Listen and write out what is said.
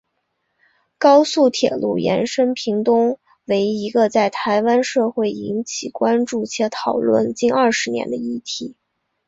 高速铁路延伸屏东为一个在台湾社会引起关注且讨论近二十年的议题。